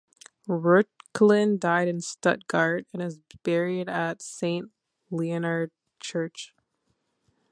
Reuchlin died in Stuttgart, and is buried at Saint Leonhard church.